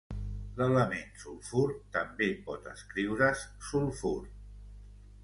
L'element "sulfur" també pot escriure's "sulphur".